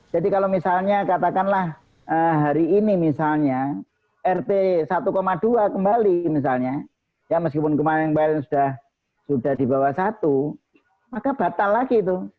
jadi kalau misalnya katakanlah hari ini misalnya rt satu dua kembali misalnya ya meskipun kemarin kemarin sudah di bawah satu maka batal lagi itu